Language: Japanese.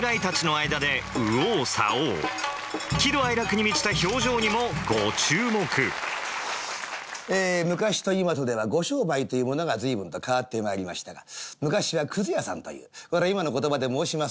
喜怒哀楽に満ちた表情にもご注目昔と今とではご商売というものが随分と変わってまいりましたが昔はくず屋さんというこれは今の言葉で申します